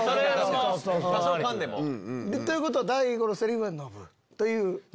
多少かんでも。ということは大悟のセリフが「ノブ」という。